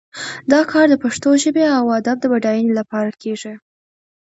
دا کار د پښتو ژبې او ادب د بډاینې لامل کیږي